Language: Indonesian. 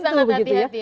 jadi sangat hati hati ya